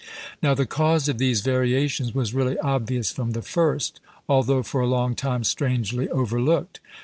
Now the cause of these variations was really obvious from the first, although for a long time strangely overlooked.